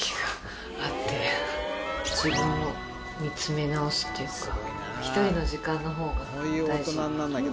自分を見つめ直すっていうか１人の時間のほうが大事。